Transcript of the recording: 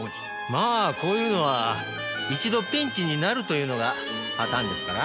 まあこういうのは一度ピンチになるというのがパターンですから。